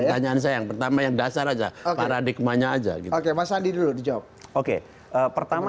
tanya tanya yang pertama yang dasar aja para di mana aja oke mas andi duduk di job oke pertama